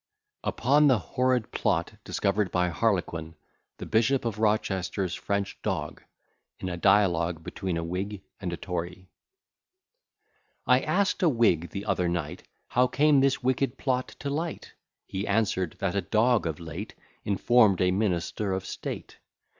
_] UPON THE HORRID PLOT DISCOVERED BY HARLEQUIN, THE BISHOP OF ROCHESTER'S FRENCH DOG, IN A DIALOGUE BETWEEN A WHIG AND A TORY I ask'd a Whig the other night, How came this wicked plot to light? He answer'd, that a dog of late Inform'd a minister of state.